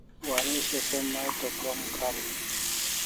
Waresho se mai to krom kariu